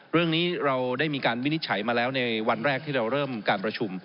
เรื่องนี้เราได้มีการวินิจฉัยมาแล้วในวันแรกที่เราเริ่มการประชุม